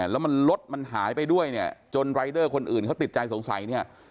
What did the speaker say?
แล้วมันรถมันหายไปด้วยเนี่ยจนรายเดอร์คนอื่นเขาติดใจสงสัยเนี่ย